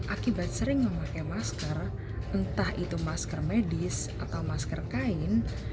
akibat sering memakai masker entah itu masker medis atau masker kain